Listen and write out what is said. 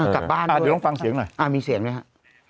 กลับบ้านด้วยอ่ามีเสียงไหมครับอ่าเดี๋ยวต้องฟังเสียงหน่อย